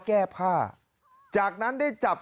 เมื่อกี้มันร้องพักเดียวเลย